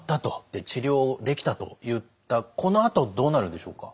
で治療できたといったこのあとどうなるんでしょうか？